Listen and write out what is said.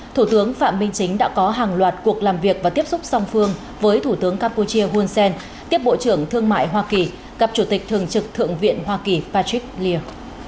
thủ tướng phạm minh chính đã có hàng loạt cuộc làm việc và tiếp xúc song phương với thủ tướng campuchia hun sen tiếp bộ trưởng thương mại hoa kỳ gặp chủ tịch thường trực thượng viện hoa kỳ patrick lea